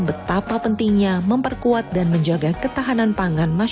betapa pentingnya memperkuat dan menjaga ketahanan pangan masyarakat